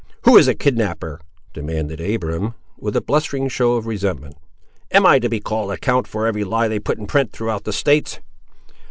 "Who is a kidnapper?" demanded Abiram, with a blustering show of resentment. "Am I to be called to account for every lie they put in print throughout the States?